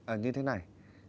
ờ như thế này